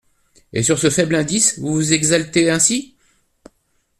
Et sur ce faible indice, vous vous exaltez ainsi !